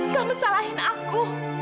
kamu salahin aku